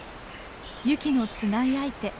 ユキのつがい相手